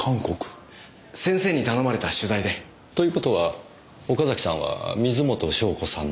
先生に頼まれた取材で。という事は岡崎さんは水元湘子さんの。